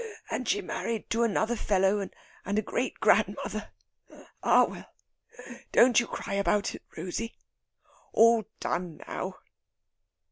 And she married to another fellow, and a great grandmother. Ah, well!... don't you cry about it, Rosey.... All done now!"